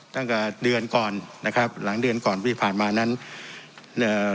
ตั้งแต่เดือนก่อนนะครับหลังเดือนก่อนที่ผ่านมานั้นเอ่อ